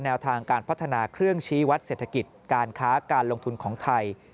แนวทางการพัฒนาเครื่องชี้วัดเศรษฐกิจการค้าการลงทุนของไทย